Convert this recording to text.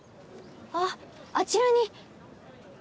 あっあちらに。